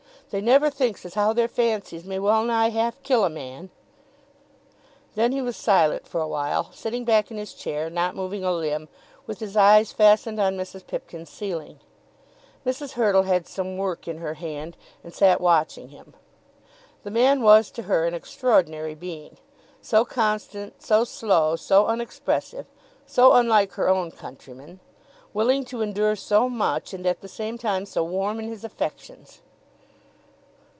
"They never thinks as how their fancies may well nigh half kill a man!" Then he was silent for awhile, sitting back in his chair, not moving a limb, with his eyes fastened on Mrs. Pipkin's ceiling. Mrs. Hurtle had some work in her hand, and sat watching him. The man was to her an extraordinary being, so constant, so slow, so unexpressive, so unlike her own countrymen, willing to endure so much, and at the same time so warm in his affections!